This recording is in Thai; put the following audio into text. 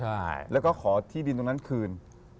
ใช่แล้วก็ขอที่ดินตรงนั้นคืน